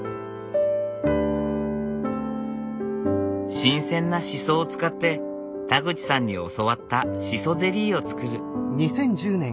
新鮮なシソを使って田口さんに教わったシソゼリーを作る。